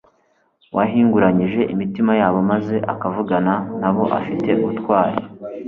wahinguranyije imitima yabo, maze akavugana na bo afite ubutware,